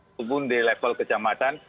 ataupun di level kecamatan